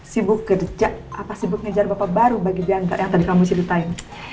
sibuk kerja apa sibuk ngejar bapak baru bagi dianggar yang tadi kamu ceritain